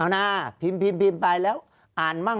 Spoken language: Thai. ภารกิจสรรค์ภารกิจสรรค์